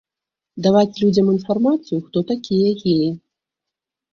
Даваць людзям інфармацыю, хто такія геі.